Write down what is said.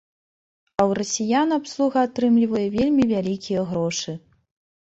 А ў расіян абслуга атрымлівае вельмі вялікія грошы.